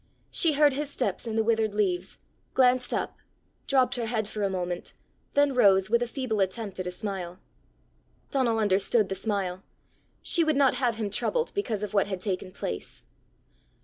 She heard his steps in the withered leaves, glanced up, dropped her head for a moment, then rose with a feeble attempt at a smile. Donal understood the smile: she would not have him troubled because of what had taken place!